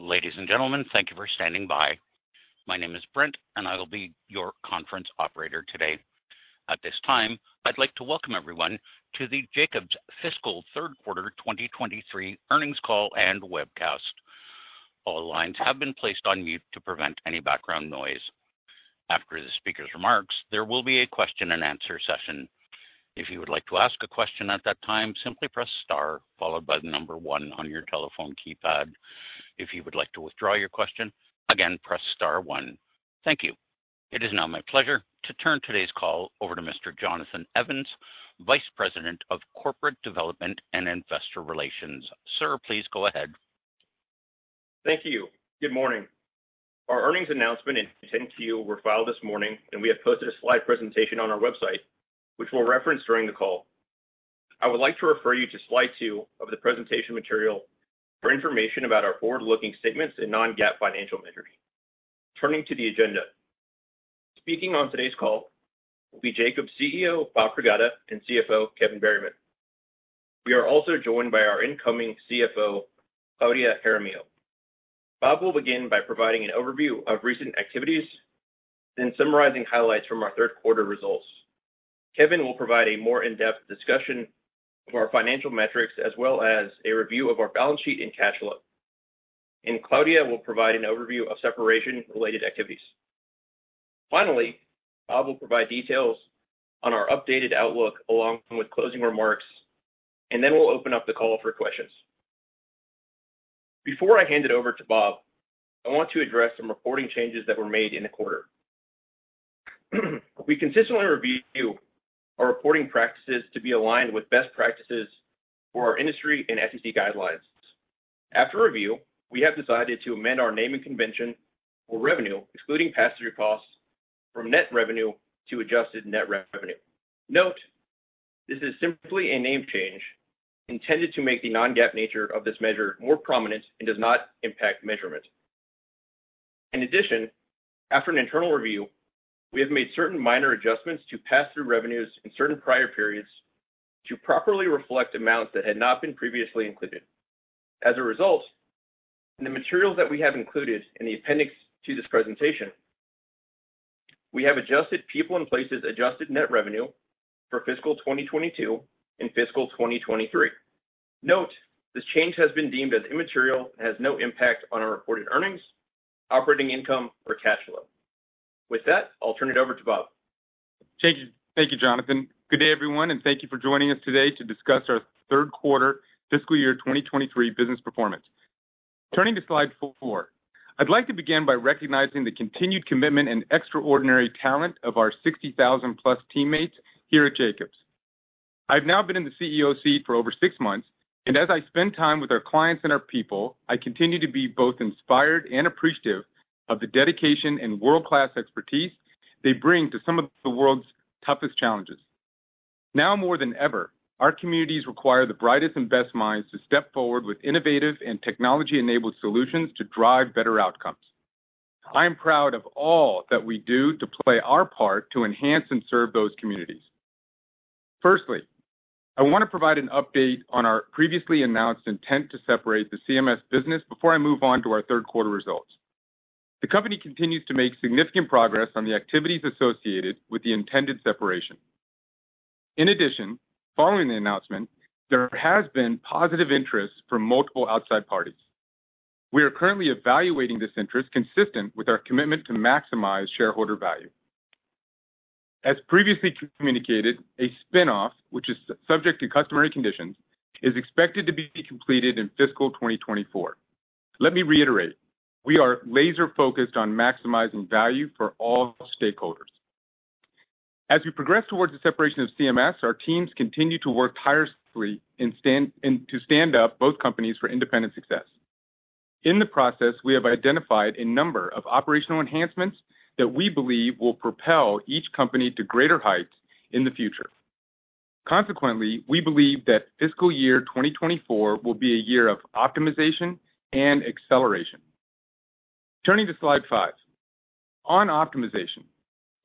Ladies and gentlemen, thank you for standing by. My name is Brent, and I will be your conference operator today. At this time, I'd like to welcome everyone to the Jacobs Fiscal Third Quarter 2023 earnings call and webcast. All lines have been placed on mute to prevent any background noise. After the speaker's remarks, there will be a question-and-answer session. If you would like to ask a question at that time, simply press Star followed by the number one on your telephone keypad. If you would like to withdraw your question, again, press Star one. Thank you. It is now my pleasure to turn today's call over to Mr. Jonathan Evans, Vice President of Corporate Development and Investor Relations. Sir, please go ahead. Thank you. Good morning. Our earnings announcement in 10-Q were filed this morning. We have posted a slide presentation on our website, which we'll reference during the call. I would like to refer you to slide two of the presentation material for information about our forward-looking statements in non-GAAP financial measures. Turning to the agenda. Speaking on today's call will be Jacobs CEO, Bob Pragada, and CFO, Kevin Berryman. We are also joined by our incoming CFO, Claudia Jaramillo. Bob will begin by providing an overview of recent activities, then summarizing highlights from our third quarter results. Kevin will provide a more in-depth discussion of our financial metrics, as well as a review of our balance sheet and cash flow. Claudia will provide an overview of separation-related activities. Finally, Bob will provide details on our updated outlook, along with closing remarks, and then we'll open up the call for questions. Before I hand it over to Bob, I want to address some reporting changes that were made in the quarter. We consistently review our reporting practices to be aligned with best practices for our industry and SEC guidelines. After review, we have decided to amend our naming convention for revenue, excluding pass-through costs from net revenue to adjusted net revenue. Note, this is simply a name change intended to make the non-GAAP nature of this measure more prominent and does not impact measurement. In addition, after an internal review, we have made certain minor adjustments to pass-through revenues in certain prior periods to properly reflect amounts that had not been previously included. As a result, in the materials that we have included in the appendix to this presentation, we have adjusted People & Places adjusted net revenue for fiscal 2022 and fiscal 2023. Note, this change has been deemed as immaterial and has no impact on our reported earnings, operating income or cash flow. With that, I'll turn it over to Bob. Thank you, thank you, Jonathan. Good day, everyone, and thank you for joining us today to discuss our third quarter fiscal year 2023 business performance. Turning to slide four, I'd like to begin by recognizing the continued commitment and extraordinary talent of our 60,000 plus teammates here at Jacobs. I've now been in the CEO seat for over six months, and as I spend time with our clients and our people, I continue to be both inspired and appreciative of the dedication and world-class expertise they bring to some of the world's toughest challenges. Now more than ever, our communities require the brightest and best minds to step forward with innovative and technology-enabled solutions to drive better outcomes. I am proud of all that we do to play our part to enhance and serve those communities. Firstly, I want to provide an update on our previously announced intent to separate the CMS business before I move on to our third quarter results. The company continues to make significant progress on the activities associated with the intended separation. In addition, following the announcement, there has been positive interest from multiple outside parties. We are currently evaluating this interest, consistent with our commitment to maximize shareholder value. As previously communicated, a spinoff, which is subject to customary conditions, is expected to be completed in fiscal 2024. Let me reiterate, we are laser-focused on maximizing value for all stakeholders. As we progress towards the separation of CMS, our teams continue to work tirelessly and to stand up both companies for independent success. In the process, we have identified a number of operational enhancements that we believe will propel each company to greater heights in the future. Consequently, we believe that fiscal year 2024 will be a year of optimization and acceleration. Turning to slide five. On optimization,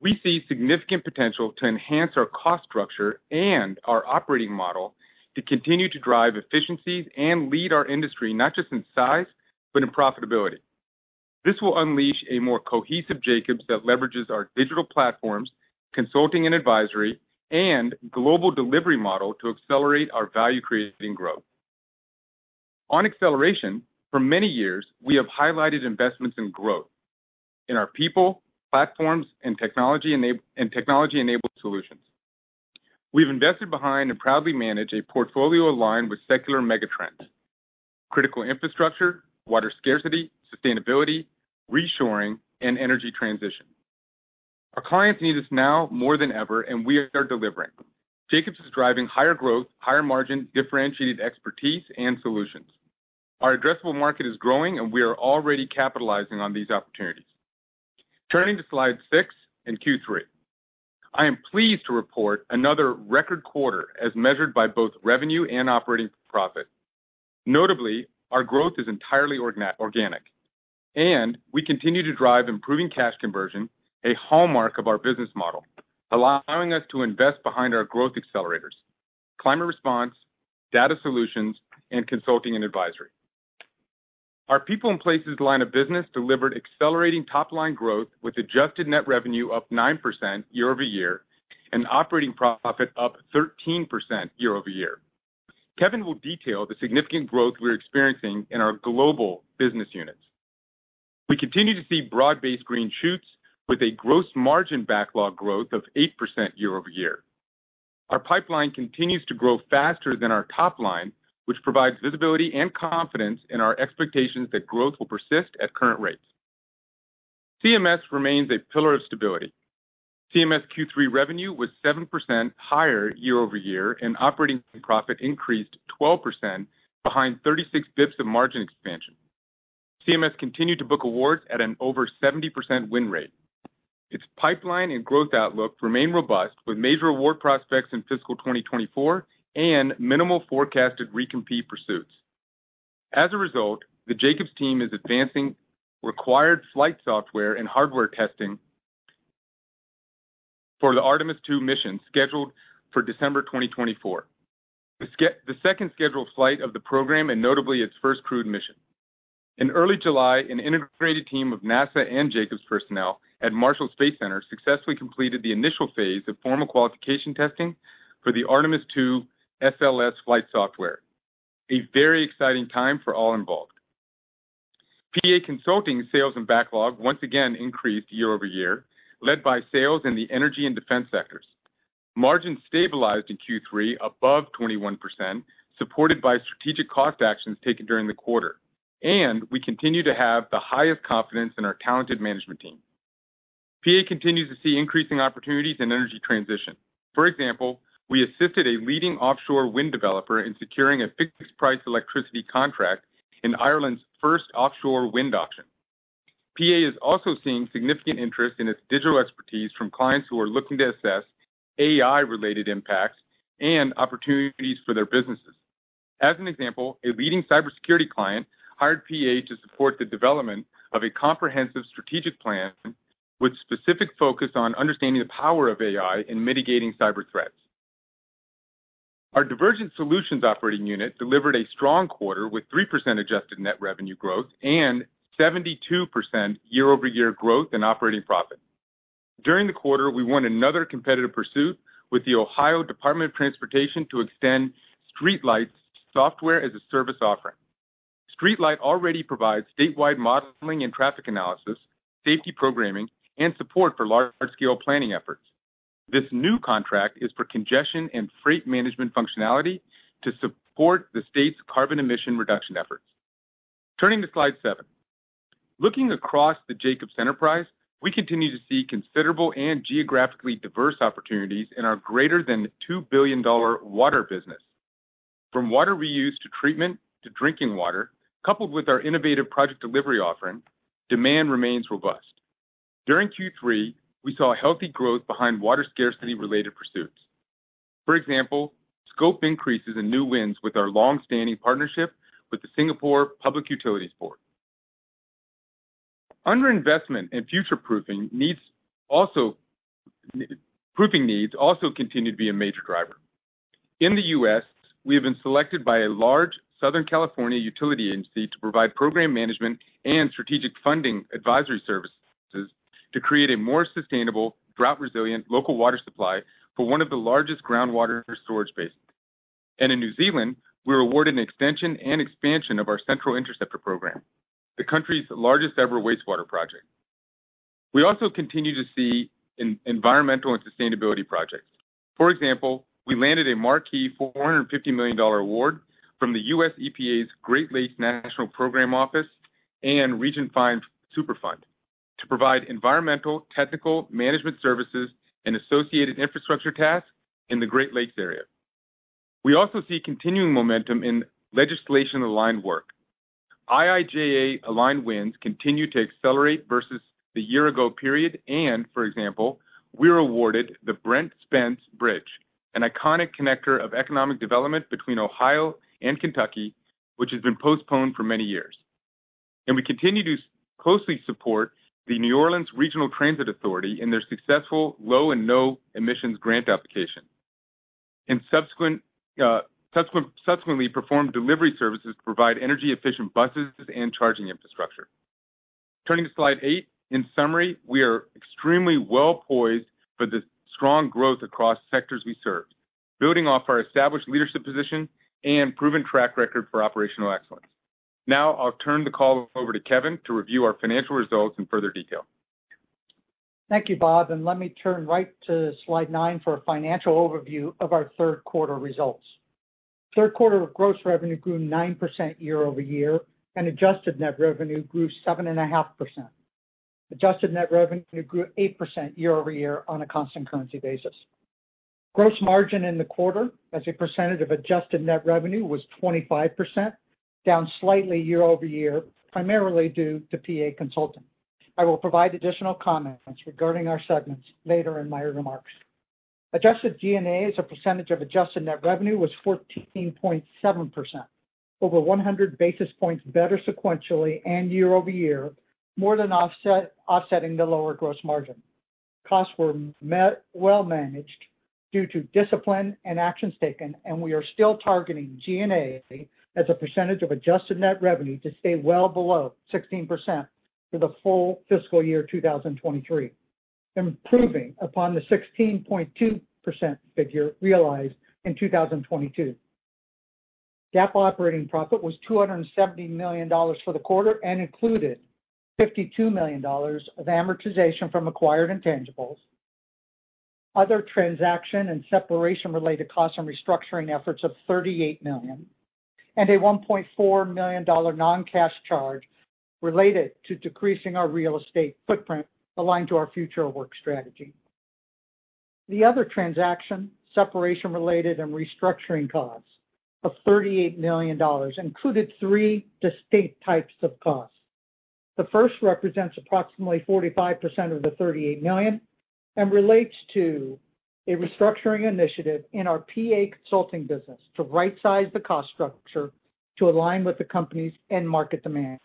we see significant potential to enhance our cost structure and our operating model to continue to drive efficiencies and lead our industry, not just in size, but in profitability. This will unleash a more cohesive Jacobs that leverages our digital platforms, consulting and advisory, and global delivery model to accelerate our value-creating growth. On acceleration, for many years, we have highlighted investments in growth in our people, platforms, and technology-enabled solutions. We've invested behind and proudly manage a portfolio aligned with secular megatrends, critical infrastructure, water scarcity, sustainability, reshoring, and energy transition. Our clients need us now more than ever, and we are delivering. Jacobs is driving higher growth, higher margin, differentiated expertise, and solutions. Our addressable market is growing, and we are already capitalizing on these opportunities. Turning to slide six and Q3, I am pleased to report another record quarter as measured by both revenue and operating profit. Notably, our growth is entirely organic. We continue to drive improving cash conversion, a hallmark of our business model, allowing us to invest behind our growth accelerators, climate response, data solutions, and consulting and advisory. Our People & Places line of business delivered accelerating top-line growth, with adjusted net revenue up 9% year-over-year, and operating profit up 13% year-over-year. Kevin will detail the significant growth we're experiencing in our global business units. We continue to see broad-based green shoots with a gross margin backlog growth of 8% year-over-year. Our pipeline continues to grow faster than our top line, which provides visibility and confidence in our expectations that growth will persist at current rates. CMS remains a pillar of stability. CMS Q3 revenue was 7% higher year-over-year, and operating profit increased 12% behind 36 basis points of margin expansion. CMS continued to book awards at an over 70% win rate. Its pipeline and growth outlook remain robust, with major award prospects in fiscal 2024 and minimal forecasted recompete pursuits. As a result, the Jacobs team is advancing required flight software and hardware testing for the Artemis II mission, scheduled for December 2024. The second scheduled flight of the program and notably its first crewed mission. In early July, an integrated team of NASA and Jacobs personnel at Marshall Space Center successfully completed the initial phase of formal qualification testing for the Artemis II SLS flight software. A very exciting time for all involved. PA Consulting, sales, and backlog once again increased year-over-year, led by sales in the energy and defense sectors. Margins stabilized in Q3 above 21%, supported by strategic cost actions taken during the quarter, and we continue to have the highest confidence in our talented management team. PA continues to see increasing opportunities in energy transition. For example, we assisted a leading offshore wind developer in securing a fixed-price electricity contract in Ireland's first offshore wind auction. PA is also seeing significant interest in its digital expertise from clients who are looking to assess AI-related impacts and opportunities for their businesses. As an example, a leading cybersecurity client hired PA to support the development of a comprehensive strategic plan, with specific focus on understanding the power of AI in mitigating cyber threats. Our Divergent Solutions operating unit delivered a strong quarter, with 3% adjusted net revenue growth and 72% year-over-year growth in operating profit. During the quarter, we won another competitive pursuit with the Ohio Department of Transportation to extend StreetLight Software as a Service offering. StreetLight already provides statewide modeling and traffic analysis, safety programming, and support for large-scale planning efforts. This new contract is for congestion and freight management functionality to support the state's carbon emission reduction efforts. Turning to slide seven. Looking across the Jacobs enterprise, we continue to see considerable and geographically diverse opportunities in our greater than $2 billion water business. From water reuse, to treatment, to drinking water, coupled with our innovative project delivery offering, demand remains robust. During Q3, we saw healthy growth behind water scarcity-related pursuits. For example, scope increases in new wins with our long-standing partnership with the Singapore Public Utilities Board. Under investment and future-proofing needs also continue to be a major driver. In the U.S., we have been selected by a large Southern California utility agency to provide program management and strategic funding advisory services to create a more sustainable, drought-resilient local water supply for one of the largest groundwater storage basins. In New Zealand, we were awarded an extension and expansion of our Central Interceptor program, the country's largest ever wastewater project. We also continue to see environmental and sustainability projects. For example, we landed a marquee $450 million award from the U.S. EPA's Great Lakes National Program Office and Region five Superfund to provide environmental, technical, management services and associated infrastructure tasks in the Great Lakes area. We also see continuing momentum in legislation-aligned work. IIJA-aligned wins continue to accelerate versus the year-ago period, for example, we were awarded the Brent Spence Bridge, an iconic connector of economic development between Ohio and Kentucky, which has been postponed for many years. We continue to closely support the New Orleans Regional Transit Authority in their successful low and no emissions grant application. In subsequently performed delivery services to provide energy-efficient buses and charging infrastructure. Turning to slide eight. In summary, we are extremely well-poised for the strong growth across sectors we serve, building off our established leadership position and proven track record for operational excellence. Now I'll turn the call over to Kevin to review our financial results in further detail. Thank you, Bob, let me turn right to slide nine for a financial overview of our third quarter results. Third quarter of gross revenue grew 9% year-over-year, and adjusted net revenue grew 7.5%. Adjusted net revenue grew 8% year-over-year on a constant currency basis. Gross margin in the quarter, as a percentage of adjusted net revenue, was 25%, down slightly year-over-year, primarily due to PA Consulting. I will provide additional comments regarding our segments later in my remarks. Adjusted G&A as a percentage of adjusted net revenue was 14.7%, over 100 basis points better sequentially and year-over-year, more than offsetting the lower gross margin. Costs were well managed due to discipline and actions taken, we are still targeting G&A as a percentage of adjusted net revenue to stay well below 16% for the full fiscal year 2023, improving upon the 16.2% figure realized in 2022. GAAP operating profit was $270 million for the quarter and included $52 million of amortization from acquired intangibles, other transaction and separation-related costs and restructuring efforts of $38 million, and a $1.4 million non-cash charge related to decreasing our real estate footprint aligned to our future work strategy. The other transaction, separation-related and restructuring costs of $38 million, included three distinct types of costs. The first represents approximately 45% of the $38 million and relates to a restructuring initiative in our PA Consulting business to right-size the cost structure to align with the company's end market demands.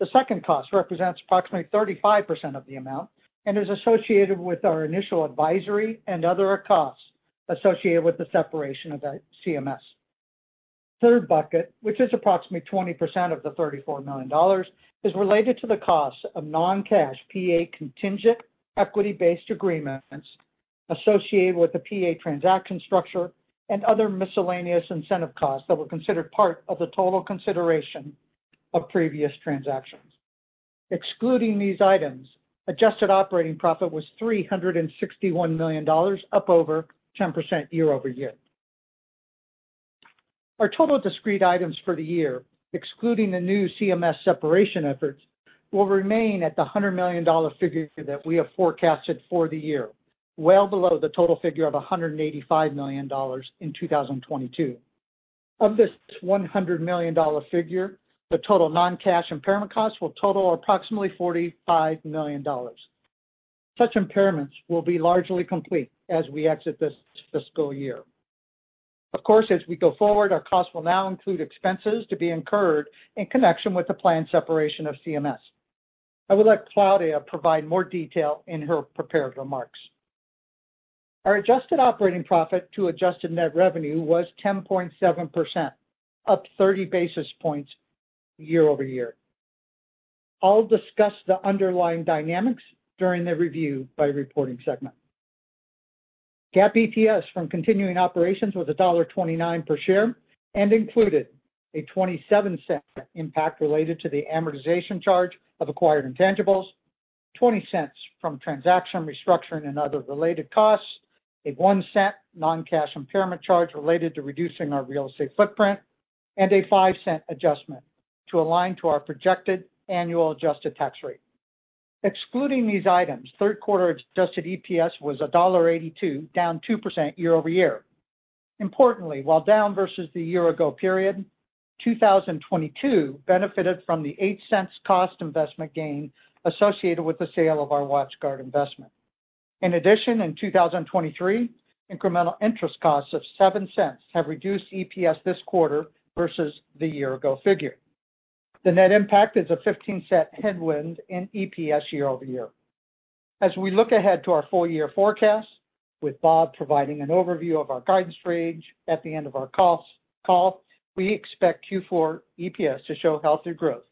The second cost represents approximately 35% of the amount and is associated with our initial advisory and other costs associated with the separation of the CMS. Third bucket, which is approximately 20% of the $34 million, is related to the costs of non-cash PA contingent equity-based agreements associated with the PA transaction structure and other miscellaneous incentive costs that were considered part of the total consideration of previous transactions. Excluding these items, adjusted operating profit was $361 million, up over 10% year-over-year. Our total discrete items for the year, excluding the new CMS separation efforts, will remain at the $100 million figure that we have forecasted for the year, well below the total figure of $185 million in 2022. Of this $100 million figure, the total non-cash impairment costs will total approximately $45 million. Such impairments will be largely complete as we exit this fiscal year. Of course, as we go forward, our costs will now include expenses to be incurred in connection with the planned separation of CMS. I will let Claudia provide more detail in her prepared remarks. Our adjusted operating profit to adjusted net revenue was 10.7%, up 30 basis points year-over-year. I'll discuss the underlying dynamics during the review by reporting segment. GAAP EPS from continuing operations was $1.29 per share and included a $0.27 impact related to the amortization charge of acquired intangibles, $0.20 from transaction, restructuring, and other related costs, a $0.01 non-cash impairment charge related to reducing our real estate footprint, and a $0.05 adjustment to align to our projected annual adjusted tax rate. Excluding these items, third quarter adjusted EPS was $1.82, down 2% year-over-year. Importantly, while down versus the year ago period, 2022 benefited from the $0.08 cost investment gain associated with the sale of our WatchGuard investment. In addition, in 2023, incremental interest costs of $0.07 have reduced EPS this quarter versus the year ago figure. The net impact is a $0.15 headwind in EPS year-over-year. As we look ahead to our full year forecast, with Bob providing an overview of our guidance range at the end of our earnings call, we expect Q4 EPS to show healthier growth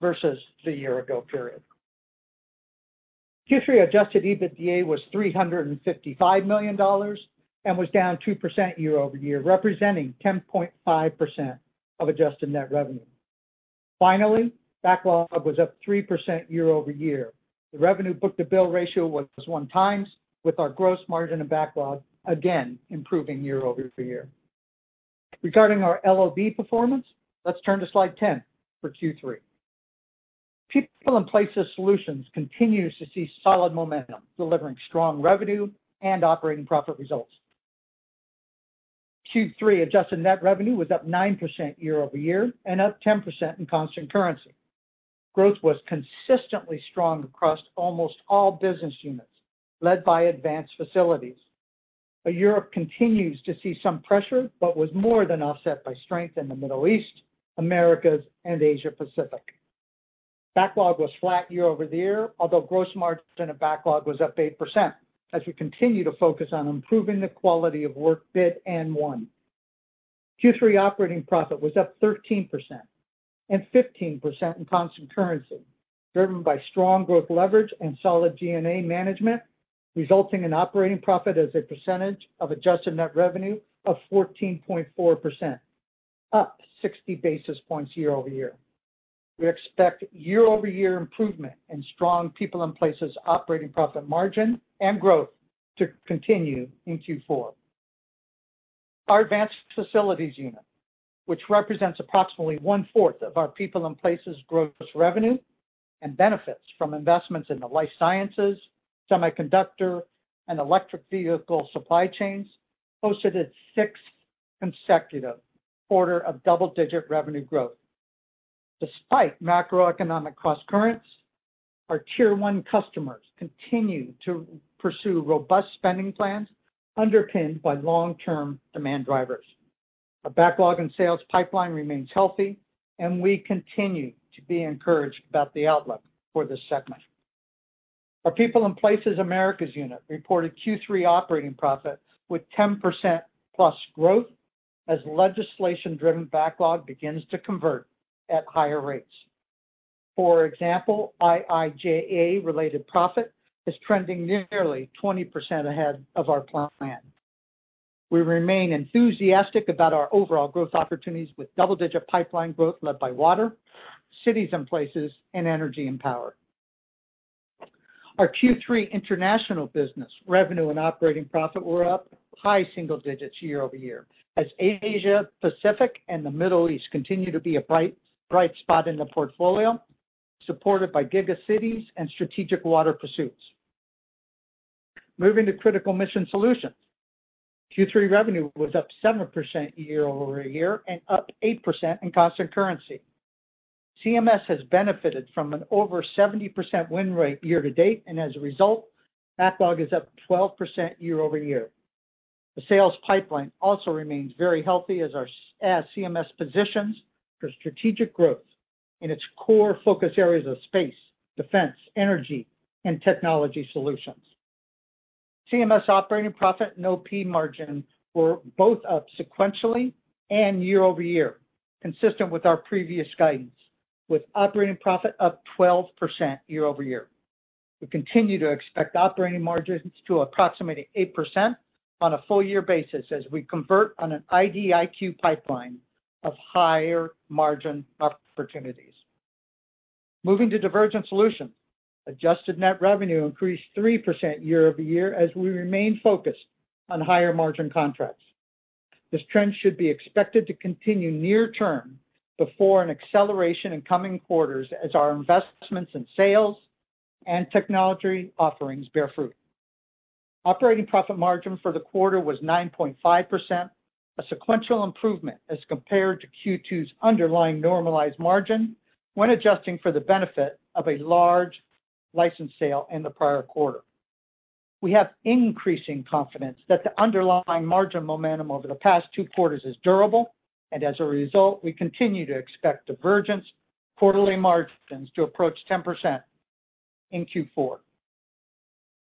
versus the year-ago period. Q3 adjusted EBITDA was $355 million and was down 2% year-over-year, representing 10.5% of adjusted net revenue. Finally, backlog was up 3% year-over-year. The revenue book-to-bill ratio was 1x, with our gross margin and backlog again improving year-over-year. Regarding our LOB performance, let's turn to slide 10 for Q3. People & Places Solutions continues to see solid momentum, delivering strong revenue and operating profit results. Q3 adjusted net revenue was up 9% year-over-year and up 10% in constant currency. Growth was consistently strong across almost all business units, led by Advanced Facilities. Europe continues to see some pressure, but was more than offset by strength in the Middle East, Americas, and Asia Pacific. Backlog was flat year-over-year, although gross margin and backlog was up 8% as we continue to focus on improving the quality of work bid and won. Q3 operating profit was up 13% and 15% in constant currency, driven by strong growth leverage and solid G&A management, resulting in operating profit as a percentage of adjusted net revenue of 14.4%, up 60 basis points year-over-year. We expect year-over-year improvement in strong People & Places operating profit margin and growth to continue in Q4. Our Advanced Facilities unit, which represents approximately one-fourth of our People & Places gross revenue and benefits from investments in the life sciences, semiconductor, and electric vehicle supply chains, posted its 6th consecutive quarter of double-digit revenue growth. Despite macroeconomic crosscurrents, our Tier One customers continue to pursue robust spending plans underpinned by long-term demand drivers. Our backlog and sales pipeline remains healthy, and we continue to be encouraged about the outlook for this segment. Our People & Places Americas unit reported Q3 operating profit with 10%+ growth as legislation-driven backlog begins to convert at higher rates. For example, IIJA-related profit is trending nearly 20% ahead of our plan. We remain enthusiastic about our overall growth opportunities with double-digit pipeline growth led by water, cities and places, and energy and power. Our Q3 international business revenue and operating profit were up high single digits year-over-year, as Asia Pacific and the Middle East continue to be a bright, bright spot in the portfolio, supported by Giga Cities and strategic water pursuits. Moving to Critical Mission Solutions. Q3 revenue was up 7% year-over-year and up 8% in constant currency. CMS has benefited from an over 70% win rate year to date, and as a result, backlog is up 12% year-over-year. The sales pipeline also remains very healthy as CMS positions for strategic growth in its core focus areas of space, defense, energy, and technology solutions. CMS operating profit and OP margin were both up sequentially and year-over-year, consistent with our previous guidance, with operating profit up 12% year-over-year. We continue to expect operating margins to approximately 8% on a full year basis as we convert on an IDIQ pipeline of higher margin opportunities. Moving to Divergent Solutions. Adjusted net revenue increased 3% year-over-year as we remain focused on higher-margin contracts. This trend should be expected to continue near term before an acceleration in coming quarters as our investments in sales and technology offerings bear fruit. Operating profit margin for the quarter was 9.5%, a sequential improvement as compared to Q2's underlying normalized margin when adjusting for the benefit of a large license sale in the prior quarter. We have increasing confidence that the underlying margin momentum over the past two quarters is durable, and as a result, we continue to expect Divergent's quarterly margins to approach 10% in Q4.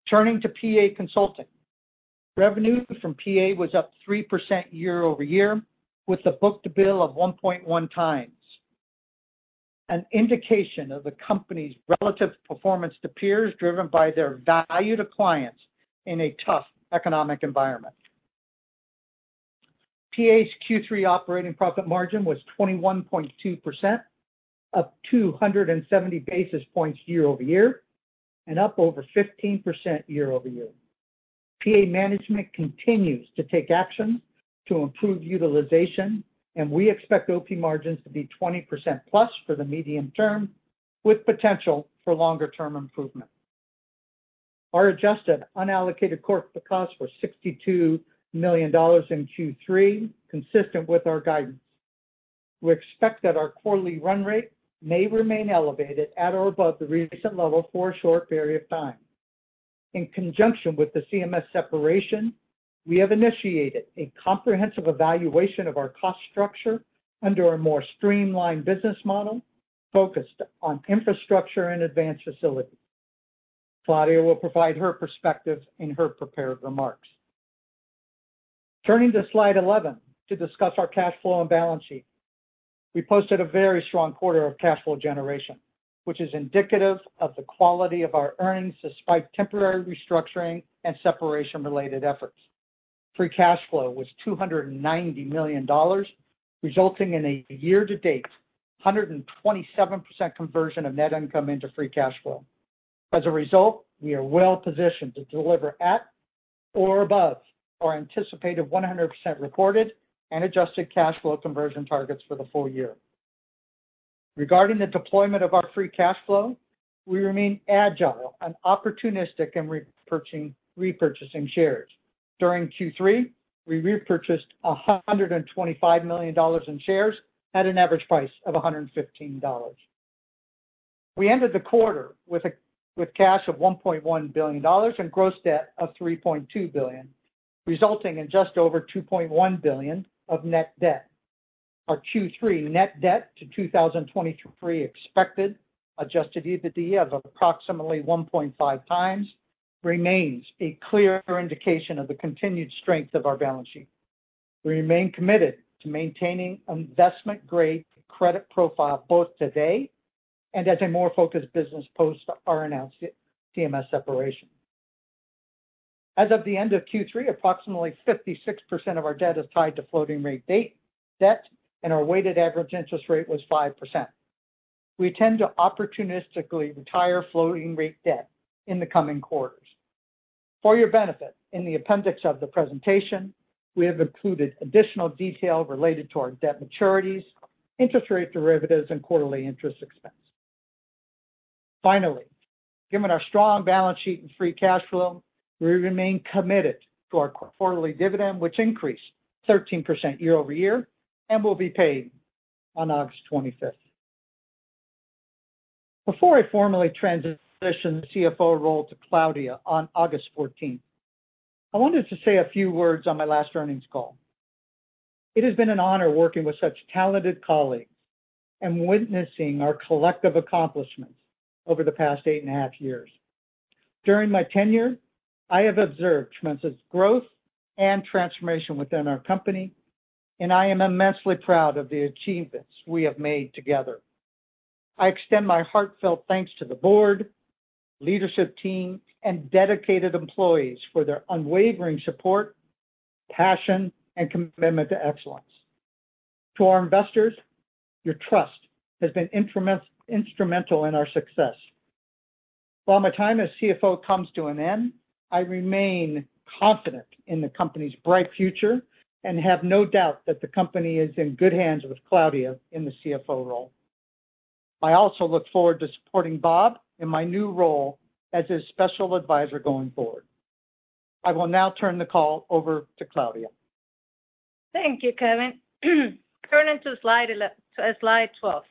Turning to PA Consulting. Revenue from PA was up 3% year-over-year, with a book-to-bill of 1.1 times, an indication of the company's relative performance to peers driven by their value to clients in a tough economic environment. PA's Q3 operating profit margin was 21.2%, up 270 basis points year-over-year and up over 15% year-over-year. PA management continues to take action to improve utilization, and we expect OP margins to be 20%+ for the medium term, with potential for longer-term improvement. Our adjusted unallocated corporate costs were $62 million in Q3, consistent with our guidance. We expect that our quarterly run rate may remain elevated at or above the recent level for a short period of time. In conjunction with the CMS separation, we have initiated a comprehensive evaluation of our cost structure under a more streamlined business model focused on infrastructure and Advanced Facilities. Claudia will provide her perspective in her prepared remarks. Turning to slide 11 to discuss our cash flow and balance sheet. We posted a very strong quarter of cash flow generation, which is indicative of the quality of our earnings despite temporary restructuring and separation-related efforts. Free cash flow was $290 million, resulting in a year-to-date 127% conversion of net income into free cash flow. As a result, we are well positioned to deliver at or above our anticipated 100% reported and adjusted cash flow conversion targets for the full year. Regarding the deployment of our free cash flow, we remain agile and opportunistic in repurchasing shares. During Q3, we repurchased $125 million in shares at an average price of $115. We ended the quarter with cash of $1.1 billion and gross debt of $3.2 billion, resulting in just over $2.1 billion of net debt. Our Q3 net debt to 2023 expected adjusted EBITDA of approximately 1.5x remains a clear indication of the continued strength of our balance sheet. We remain committed to maintaining investment-grade credit profile, both today and as a more focused business post our announced CMS separation. As of the end of Q3, approximately 56% of our debt is tied to floating rate debt, and our weighted average interest rate was 5%. We tend to opportunistically retire floating rate debt in the coming quarters. For your benefit, in the appendix of the presentation, we have included additional detail related to our debt maturities, interest rate derivatives, and quarterly interest expense. Finally, given our strong balance sheet and free cash flow, we remain committed to our quarterly dividend, which increased 13% year-over-year and will be paid on August 25th. Before I formally transition the CFO role to Claudia on August 14th, I wanted to say a few words on my last earnings call. It has been an honor working with such talented colleagues and witnessing our collective accomplishments over the past 8.5 years. During my tenure, I have observed tremendous growth and transformation within our company, and I am immensely proud of the achievements we have made together. I extend my heartfelt thanks to the board, leadership team, and dedicated employees for their unwavering support, passion, and commitment to excellence. To our investors, your trust has been instrumental in our success. While my time as CFO comes to an end, I remain confident in the company's bright future and have no doubt that the company is in good hands with Claudia in the CFO role. I also look forward to supporting Bob in my new role as his special advisor going forward. I will now turn the call over to Claudia. Thank you, Kevin. Turning to slide 12.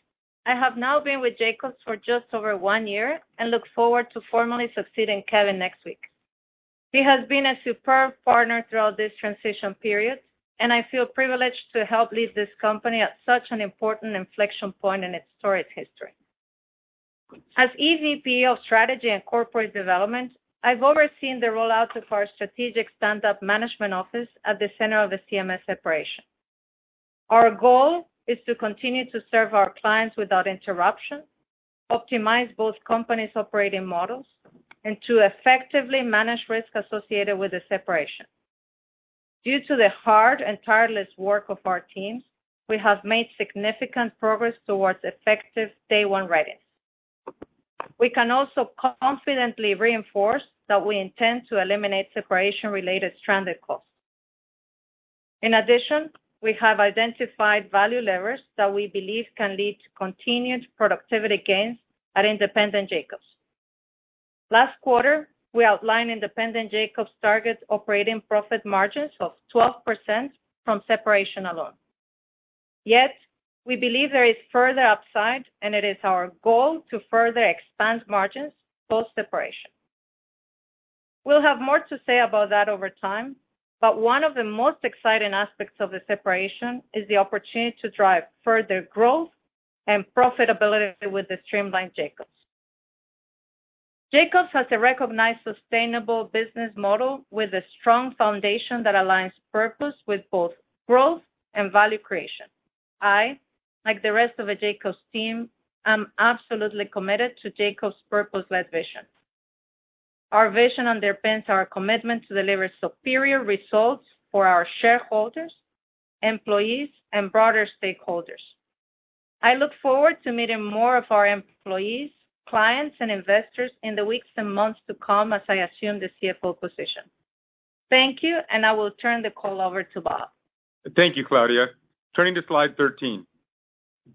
I have now been with Jacobs for just over one year and look forward to formally succeeding Kevin next week. He has been a superb partner throughout this transition period, and I feel privileged to help lead this company at such an important inflection point in its storied history. As EVP of Strategy and Corporate Development, I've overseen the rollout of our strategic stand-up management office at the center of the CMS separation. Our goal is to continue to serve our clients without interruption, optimize both companies' operating models, and to effectively manage risk associated with the separation. Due to the hard and tireless work of our teams, we have made significant progress towards effective day one readiness. We can also confidently reinforce that we intend to eliminate separation-related stranded costs. In addition, we have identified value levers that we believe can lead to continued productivity gains at independent Jacobs. Last quarter, we outlined independent Jacobs' target operating profit margins of 12% from separation alone. Yet, we believe there is further upside, and it is our goal to further expand margins post-separation. We'll have more to say about that over time, but one of the most exciting aspects of the separation is the opportunity to drive further growth and profitability with the streamlined Jacobs. Jacobs has a recognized sustainable business model with a strong foundation that aligns purpose with both growth and value creation. I, like the rest of the Jacobs team, am absolutely committed to Jacobs' purpose-led vision. Our vision underpins our commitment to deliver superior results for our shareholders, employees, and broader stakeholders. I look forward to meeting more of our employees, clients, and investors in the weeks and months to come as I assume the CFO position. Thank you. I will turn the call over to Bob. Thank you, Claudia. Turning to slide 13.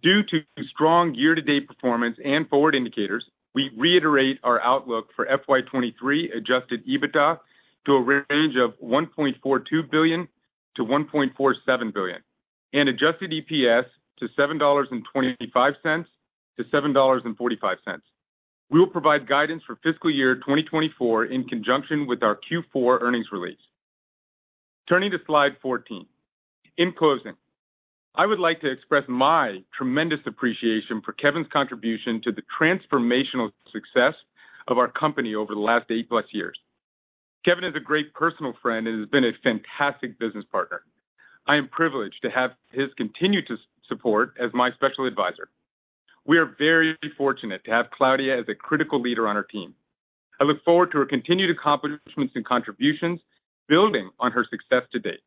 Due to strong year-to-date performance and forward indicators, we reiterate our outlook for FY 2023 adjusted EBITDA to a range of $1.42 billion-$1.47 billion, and adjusted EPS to $7.25-$7.45. We will provide guidance for fiscal year 2024 in conjunction with our Q4 earnings release. Turning to slide 14. In closing, I would like to express my tremendous appreciation for Kevin's contribution to the transformational success of our company over the last 8+ years. Kevin is a great personal friend and has been a fantastic business partner. I am privileged to have his continued support as my special advisor. We are very fortunate to have Claudia as a critical leader on our team. I look forward to her continued accomplishments and contributions, building on her success to date.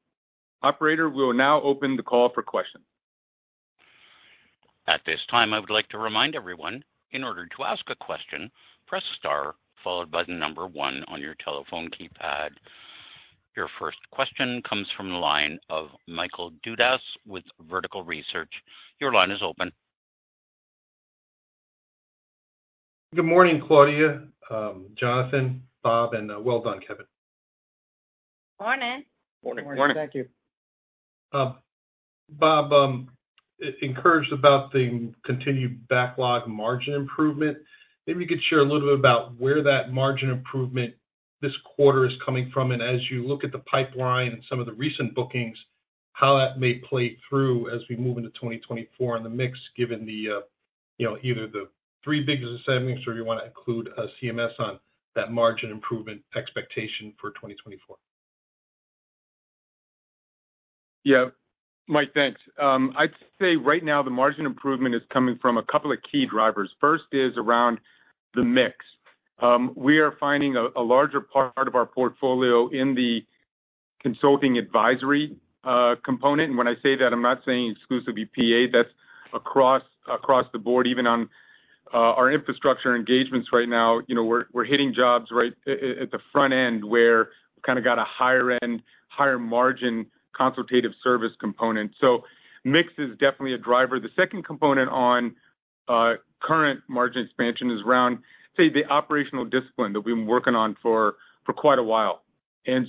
Operator, we will now open the call for questions. At this time, I would like to remind everyone, in order to ask a question, press star followed by the number one on your telephone keypad. Your first question comes from the line of Michael Dudas with Vertical Research. Your line is open. Good morning, Claudia, Jonathan, Bob, and well done, Kevin. Morning! Morning. Morning. Thank you. Bob, encouraged about the continued backlog margin improvement. Maybe you could share a little bit about where that margin improvement this quarter is coming from, and as you look at the pipeline and some of the recent bookings, how that may play through as we move into 2024 and the mix, given the, you know, either the three big assemblies or you wanna include a CMS on that margin improvement expectation for 2024? Yeah. Mike, thanks. I'd say right now the margin improvement is coming from a couple of key drivers. First is around the mix. We are finding a, a larger part of our portfolio in the consulting advisory component. When I say that, I'm not saying exclusively PA, that's across, across the board. Even on our infrastructure engagements right now, you know, we're, we're hitting jobs right at, at, at the front end, where we've kinda got a higher end, higher margin consultative service component. Mix is definitely a driver. The second component on current margin expansion is around, say, the operational discipline that we've been working on for, for quite a while.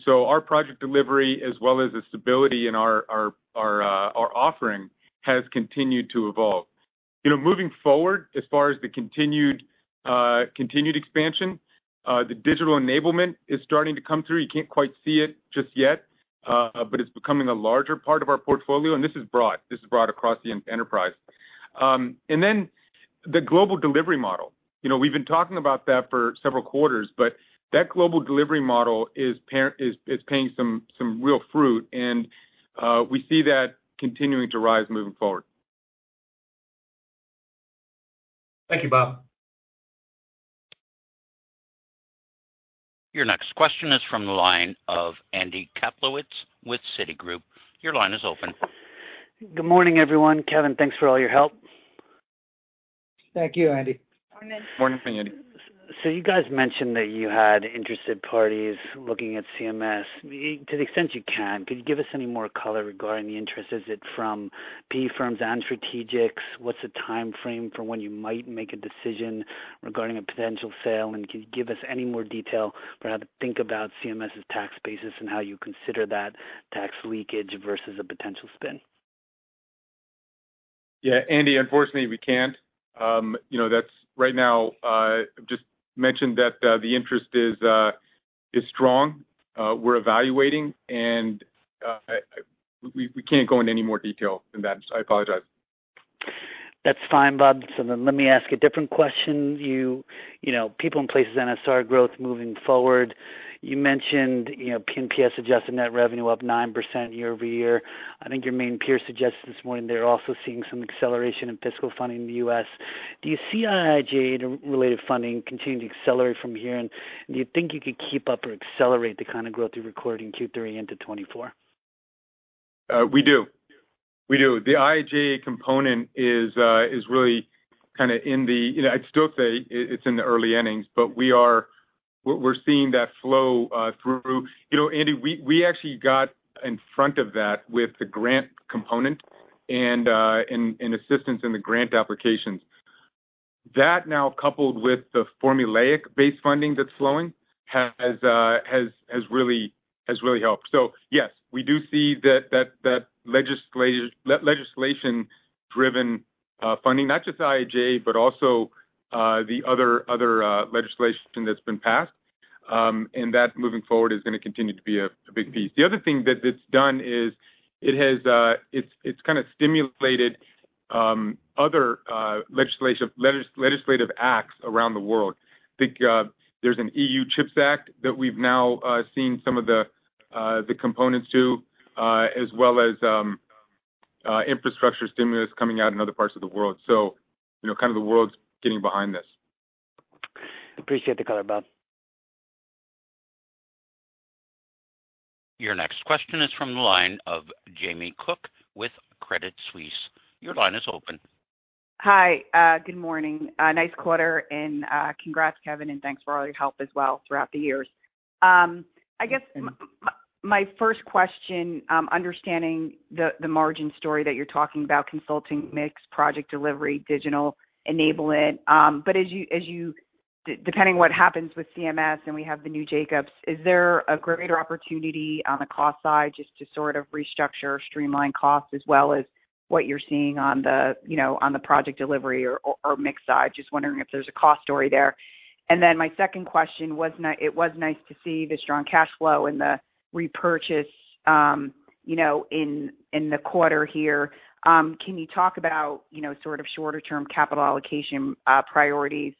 Our project delivery, as well as the stability in our, our, our offering, has continued to evolve. You know, moving forward, as far as the continued, continued expansion, the digital enablement is starting to come through. You can't quite see it just yet, but it's becoming a larger part of our portfolio, and this is broad. This is broad across the enterprise. The global delivery model, you know, we've been talking about that for several quarters, but that global delivery model is paying some, some real fruit, and we see that continuing to rise moving forward. Thank you, Bob. Your next question is from the line of Andy Kaplowitz with Citigroup. Your line is open. Good morning, everyone. Kevin, thanks for all your help. Thank you, Andy. Morning, Andy. You guys mentioned that you had interested parties looking at CMS. To the extent you can, could you give us any more color regarding the interest? Is it from PE firms and strategics? What's the timeframe for when you might make a decision regarding a potential sale? Can you give us any more detail about how to think about CMS's tax basis and how you consider that tax leakage versus a potential spin? Yeah, Andy, unfortunately, we can't. You know, that's right now, just mentioned that, the interest is strong, we're evaluating, and we can't go into any more detail than that, so I apologize. That's fine, Bob. Then let me ask a different question. You, you know, People & Places NSR growth moving forward, you mentioned, you know, P&PS adjusted net revenue up 9% year-over-year. I think your main peer suggested this morning they're also seeing some acceleration in fiscal funding in the U.S. Do you see IIJA and related funding continuing to accelerate from here? Do you think you could keep up or accelerate the kind of growth you recorded in Q3 into 2024? We do. We do. The IIJA component is really kind of in the, you know, I'd still say it's in the early innings, but we're seeing that flow through. You know, Andy, we, we actually got in front of that with the grant component and, and assistance in the grant applications. That now, coupled with the formulaic-based funding that's flowing, has, has really, has really helped. Yes, we do see that, that, that legislation-driven funding, not just IIJA, but also the other, other legislation that's been passed. That, moving forward, is gonna continue to be a, a big piece. The other thing that it's done is, it has, it's, it's kind of stimulated other legislation, legislative acts around the world. I think there's an EU Chips Act that we've now seen some of the components to, as well as infrastructure stimulus coming out in other parts of the world. You know, kind of the world's getting behind this. Appreciate the color, Bob. Your next question is from the line of Jamie Cook with Credit Suisse. Your line is open. Hi, good morning. Nice quarter, and, congrats, Kevin, and thanks for all your help as well throughout the years. I guess my first question, understanding the, the margin story that you're talking about, consulting mix, project delivery, digital enablement. As you, depending on what happens with CMS, and we have the new Jacobs, is there a greater opportunity on the cost side just to sort of restructure or streamline costs as well as what you're seeing on the, you know, on the project delivery or, or mixed side? Just wondering if there's a cost story there. My second question, it was nice to see the strong cash flow and the repurchase, you know, in, in the quarter here. Can you talk about, you know, sort of shorter-term capital allocation priorities,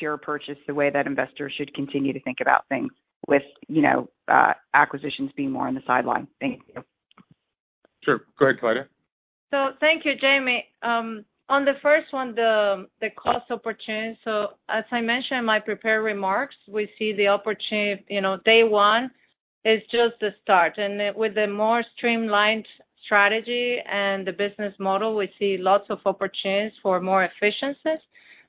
share purchase, the way that investors should continue to think about things with, you know, acquisitions being more on the sideline? Thank you. Sure. Go ahead, Claudia. Thank you, Jamie. On the first one, the cost opportunity, as I mentioned in my prepared remarks, we see the opportunity, you know, day one is just the start. With the more streamlined strategy and the business model, we see lots of opportunities for more efficiencies,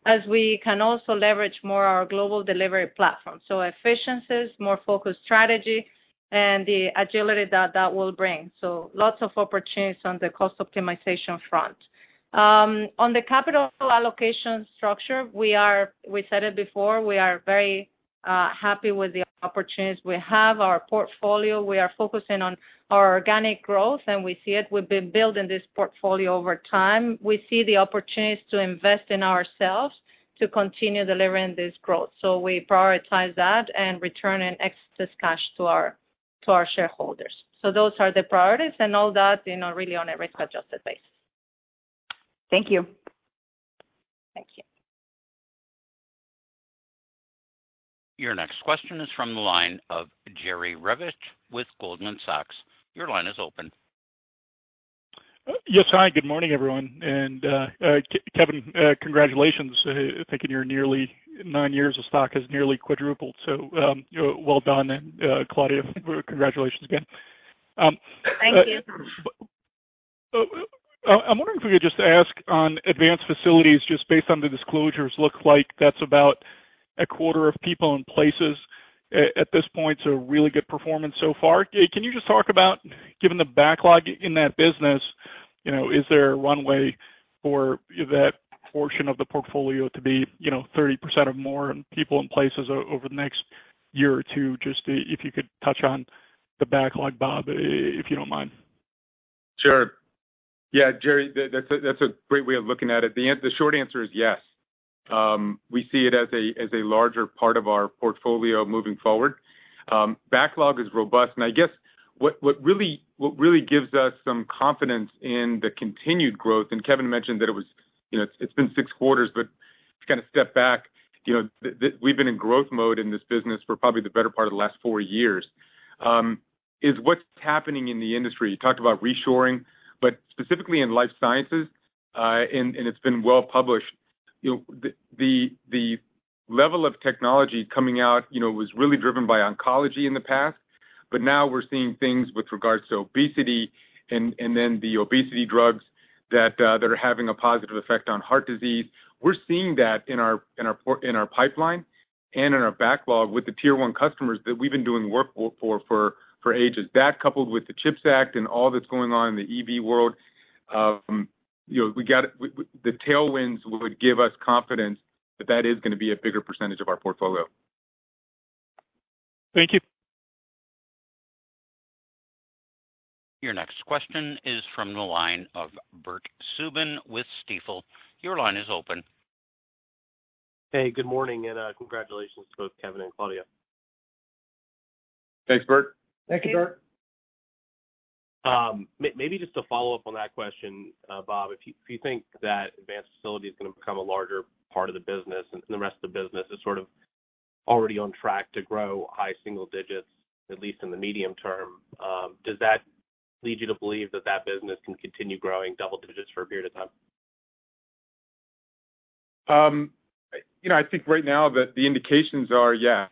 as we can also leverage more our global delivery platform. Efficiencies, more focused strategy, and the agility that that will bring. Lots of opportunities on the cost optimization front. On the capital allocation structure, we said it before, we are very happy with the opportunities we have, our portfolio. We are focusing on our organic growth, and we see it. We've been building this portfolio over time. We see the opportunities to invest in ourselves to continue delivering this growth. We prioritize that and return an excess cash to our shareholders. Those are the priorities and all that, you know, really on a risk-adjusted basis. Thank you. Your next question is from the line of Jerry Revich with Goldman Sachs. Your line is open. Yes. Hi, good morning, everyone. Kevin, congratulations. I think in your nearly nine years, the stock has nearly quadrupled, so, well done. Claudia, congratulations again. Thank you. I'm wondering if we could just ask on Advanced Facilities, just based on the disclosures, look like that's about a quarter of People & Places at this point, so really good performance so far. Can you just talk about, given the backlog in that business? You know, is there one way for that portion of the portfolio to be, you know, 30% or more in People & Places over the next year or two? Just if you could touch on the backlog, Bob, if you don't mind. Sure. Yeah, Jerry, that, that's a, that's a great way of looking at it. The short answer is yes. We see it as a, as a larger part of our portfolio moving forward. Backlog is robust, and I guess what, what really, what really gives us some confidence in the continued growth, and Kevin mentioned that it was, you know, it's, it's been six quarters, but to kind of step back, you know, we've been in growth mode in this business for probably the better part of the last four years, is what's happening in the industry. You talked about reshoring, but specifically in life sciences, and, and it's been well published. You know, the, the, the level of technology coming out, you know, was really driven by oncology in the past, but now we're seeing things with regards to obesity and, and then the obesity drugs that that are having a positive effect on heart disease. We're seeing that in our pipeline and in our backlog with the tier 1 customers that we've been doing work for, for, for ages. That, coupled with the CHIPS Act and all that's going on in the EV world, you know, the tailwinds would give us confidence that that is gonna be a bigger % of our portfolio. Thank you. Your next question is from the line of Bert Subin with Stifel. Your line is open. Hey, good morning, and congratulations to both Kevin and Claudia. Thanks, Bert. Thank you, Bert. Maybe just to follow up on that question, Bob, if you, if you think that Advanced Facilities is gonna become a larger part of the business, and the rest of the business is sort of already on track to grow high single digits, at least in the medium term, does that lead you to believe that that business can continue growing double digits for a period of time? You know, I think right now that the indications are, yes.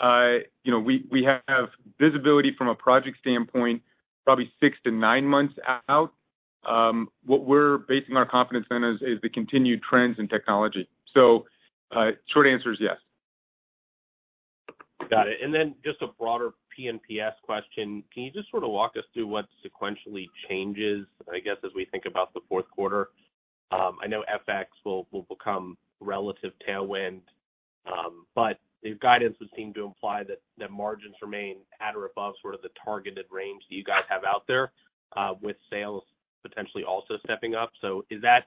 You know, with the visibility that we have, you know, we, we have visibility from a project standpoint, probably six to nine months out. What we're basing our confidence in is, is the continued trends in technology. Short answer is yes. Got it. Then just a broader P&PS question. Can you just sort of walk us through what sequentially changes, I guess, as we think about the fourth quarter? I know FX will, will become relative tailwind, but the guidance would seem to imply that, that margins remain at or above sort of the targeted range that you guys have out there, with sales potentially also stepping up. Is that,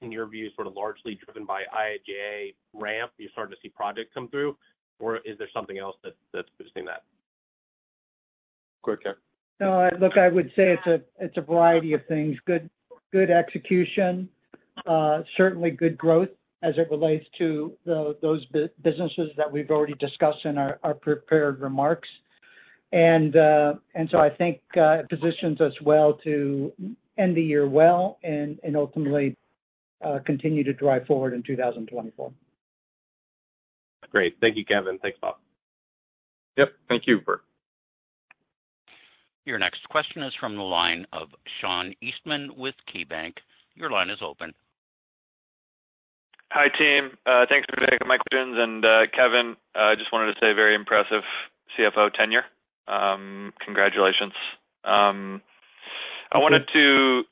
in your view, sort of largely driven by IIJA ramp, you're starting to see projects come through, or is there something else that's, that's boosting that? Go ahead, Kevin. No, look, I would say it's a, it's a variety of things. Good, good execution, certainly good growth as it relates to the businesses that we've already discussed in our prepared remarks. I think, it positions us well to end the year well and ultimately continue to drive forward in 2024. Great. Thank you, Kevin. Thanks, Bob. Yep. Thank you, Bert. Your next question is from the line of Sean Eastman with KeyBanc. Your line is open. Hi, team. Thanks for taking my questions. Kevin, I just wanted to say very impressive CFO tenure, congratulations. I wanted to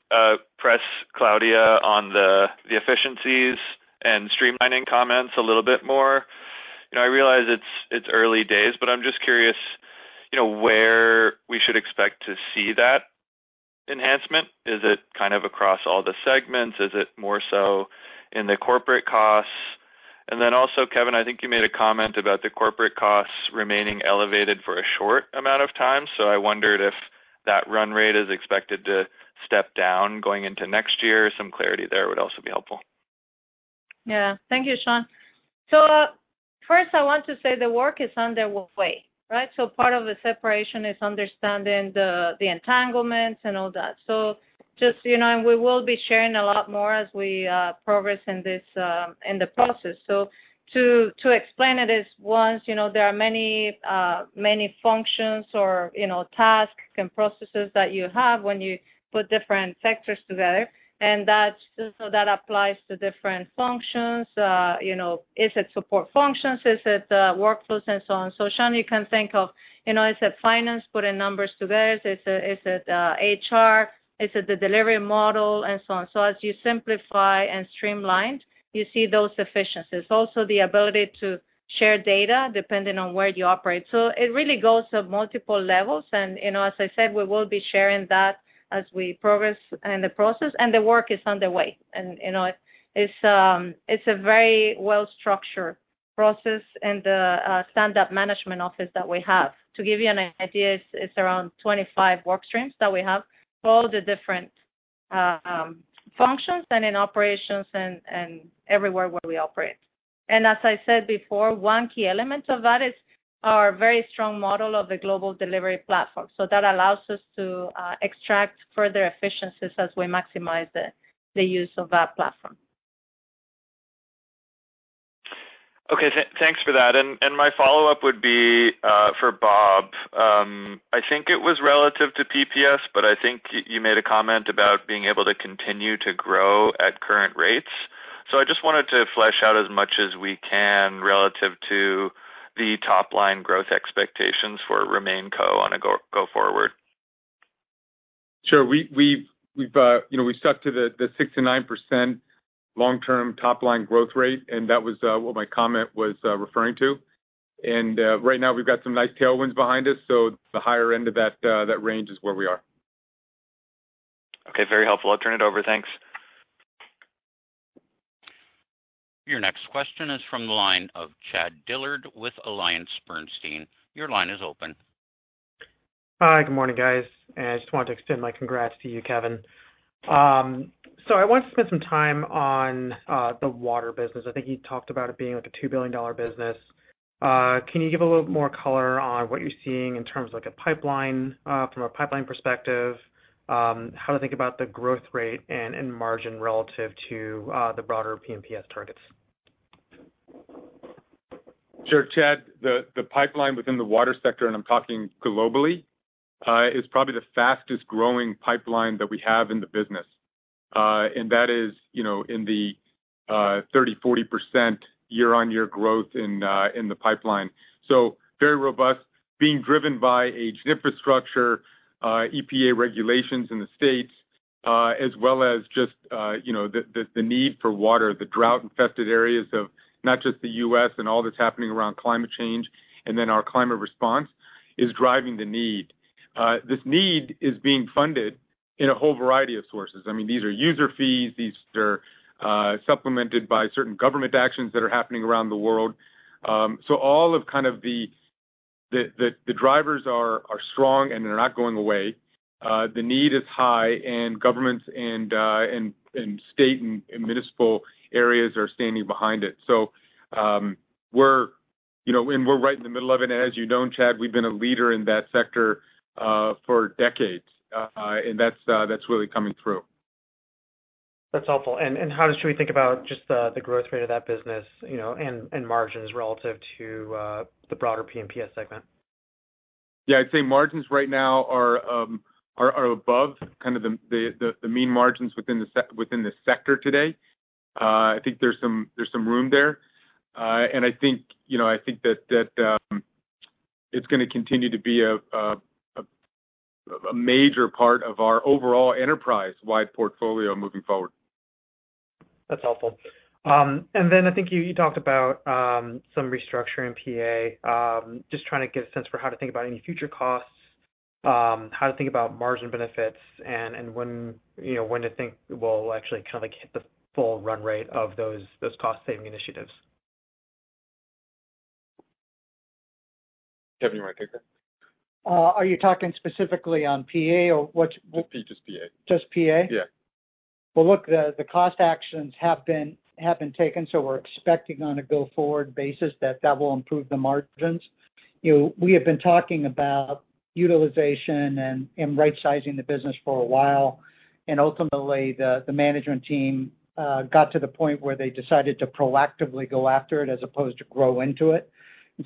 press Claudia on the, the efficiencies and streamlining comments a little bit more. You know, I realize it's, it's early days, but I'm just curious, you know, where we should expect to see that enhancement. Is it kind of across all the segments? Is it more so in the corporate costs? Then also, Kevin, I think you made a comment about the corporate costs remaining elevated for a short amount of time, so I wondered if that run rate is expected to step down going into next year. Some clarity there would also be helpful. Yeah. Thank you, Sean. First, I want to say the work is underway, right? Part of the separation is understanding the entanglements and all that. Just, you know, and we will be sharing a lot more as we progress in this process. To, to explain it is, once, you know, there are many functions or, you know, tasks and processes that you have when you put different sectors together, and that applies to different functions. You know, is it support functions? Is it, is it workflows? And so on. Sean, you can think of, you know, is it finance, putting numbers together? Is it, is it HR? Is it the delivery model? And so on. As you simplify and streamline, you see those efficiencies. Also, the ability to share data depending on where you operate. It really goes to multiple levels, and, you know, as I said, we will be sharing that as we progress in the process, and the work is underway. You know, it's, it's a very well-structured process in the stand-up management office that we have. To give you an idea, it's, it's around 25 work streams that we have. All the different functions and in operations and, and everywhere where we operate. As I said before, one key element of that is our very strong model of the global delivery platform. That allows us to extract further efficiencies as we maximize the, the use of that platform. Okay, thanks for that. My follow-up would be for Bob. I think it was relative to PPS, but I think you made a comment about being able to continue to grow at current rates. I just wanted to flesh out as much as we can relative to the top-line growth expectations for RemainCo on a go, go forward. Sure. We, we've, we've, you know, we stuck to the, the 6%-9% long-term top-line growth rate, and that was what my comment was referring to. Right now, we've got some nice tailwinds behind us, so the higher end of that, that range is where we are. Okay, very helpful. I'll turn it over. Thanks. Your next question is from the line of Chad Dillard with AllianceBernstein. Your line is open. Hi, good morning, guys. I just wanted to extend my congrats to you, Kevin. I want to spend some time on the water business. I think you talked about it being, like, a $2 billion business. Can you give a little more color on what you're seeing in terms of, like, a pipeline from a pipeline perspective? How to think about the growth rate and, and margin relative to the broader P&PS targets? Sure, Chad. The pipeline within the water sector, and I'm talking globally, is probably the fastest-growing pipeline that we have in the business. That is, you know, in the 30%-40% year-on-year growth in the pipeline. Very robust, being driven by age infrastructure, EPA regulations in the States, as well as just, you know, the need for water, the drought-infested areas of not just the U.S. and all that's happening around climate change, and then our climate response is driving the need. This need is being funded in a whole variety of sources. I mean, these are user fees. These are supplemented by certain government actions that are happening around the world. All of kind of the drivers are strong, and they're not going away. The need is high, and governments and, and, and state and municipal areas are standing behind it. We're, you know, and we're right in the middle of it. As you know, Chad, we've been a leader in that sector, for decades, and that's, that's really coming through. That's helpful. How should we think about just the, the growth rate of that business, you know, and, and margins relative to the broader P&PS segment? Yeah, I'd say margins right now are above kind of the mean margins within the sector today. I think there's some, there's some room there. I think, you know, I think that, that, it's gonna continue to be a major part of our overall enterprise-wide portfolio moving forward. That's helpful. Then I think you, you talked about, some restructuring in PA. Just trying to get a sense for how to think about any future costs, how to think about margin benefits and, and when, you know, when to think we'll actually kind of like hit the full run rate of those, those cost-saving initiatives? Kevin, you want to take that? Are you talking specifically on PA or what? Just PA. Just PA? Yeah. Well, look, the, the cost actions have been, have been taken, so we're expecting on a go-forward basis that that will improve the margins. You know, we have been talking about utilization and, and rightsizing the business for a while, and ultimately, the, the management team got to the point where they decided to proactively go after it as opposed to grow into it.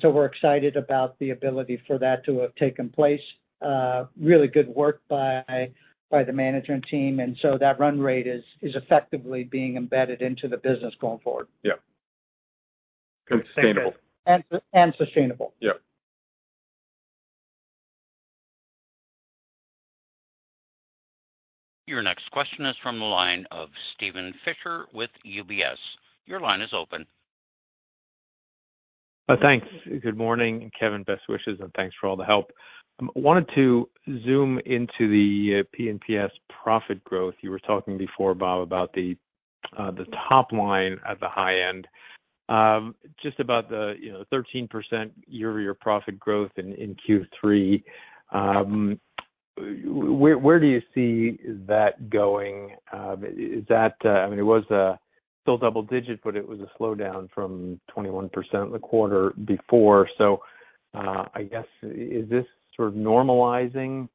So we're excited about the ability for that to have taken place. Really good work by, by the management team, and so that run rate is, is effectively being embedded into the business going forward. Yeah. Sustainable. and sustainable. Yeah. Your next question is from the line of Steven Fisher with UBS. Your line is open. Thanks. Good morning, Kevin. Best wishes, and thanks for all the help. I wanted to zoom into the P&PS profit growth. You were talking before, Bob, about the top line at the high end. Just about the, you know, 13% year-over-year profit growth in Q3. Where, where do you see that going? I mean, it was still double digits, but it was a slowdown from 21% the quarter before. I guess, is this sort of normalizing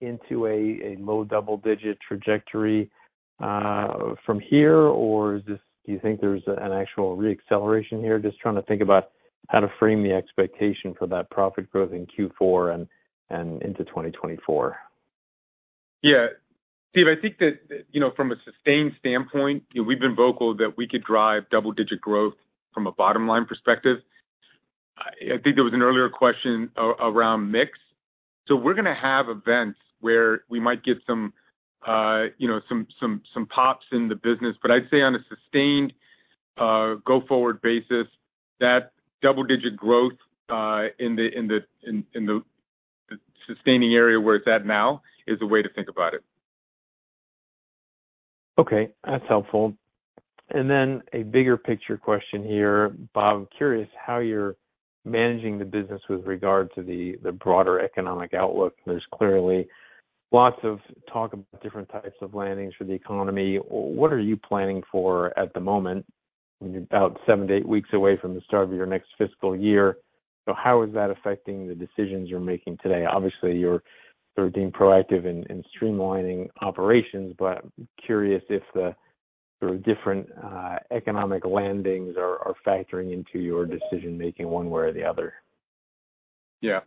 into a low double-digit trajectory from here, or is this, do you think there's an actual re-acceleration here? Just trying to think about how to frame the expectation for that profit growth in Q4 and into 2024. Yeah. Steven, I think that, you know, from a sustained standpoint, you know, we've been vocal that we could drive double-digit growth from a bottom-line perspective. I think there was an earlier question around mix. We're gonna have events where we might get some, you know, some, some, some pops in the business. I'd say on a sustained go-forward basis, that double-digit growth in the, in the, in, in the sustaining area where it's at now is the way to think about it. Okay, that's helpful. Then a bigger picture question here, Bob. I'm curious how you're managing the business with regard to the broader economic outlook. There's clearly lots of talk about different types of landings for the economy. What are you planning for at the moment, about seven-eight weeks away from the start of your next fiscal year? How is that affecting the decisions you're making today? Obviously, you're sort of being proactive in streamlining operations, but I'm curious if the sort of different economic landings are factoring into your decision-making one way or the other. Yeah.